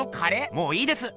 もういいです！